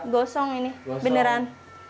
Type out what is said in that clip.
gosong ini beneran